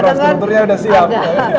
terus kulturnya sudah siap